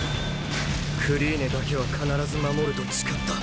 クリーネだけは必ず守ると誓った！